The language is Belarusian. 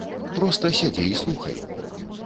Проста сядзі і слухай.